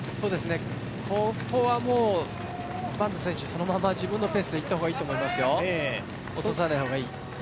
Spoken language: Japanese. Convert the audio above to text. ここは坂東選手、そのまま自分のペースでいったほうがいいと思いますよ、落とさない方がいい。